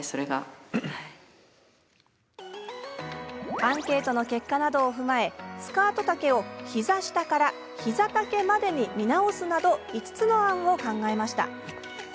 アンケートの結果などを踏まえスカート丈を膝下から膝丈までに見直すなど５つの案を考えました。